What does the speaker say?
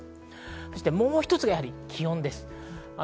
そしてもう一つ、気温です。